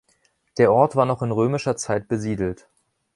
Der Ort war noch in römischer Zeit besiedelt.